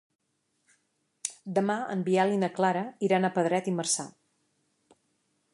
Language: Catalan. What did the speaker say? Demà en Biel i na Clara iran a Pedret i Marzà.